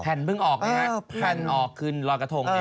แผ่นเพิ่งออกพันออกขึ้นรอกะทง